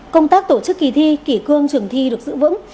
công tác tổ chức kỳ thi kỷ cương trường thi được giữ vững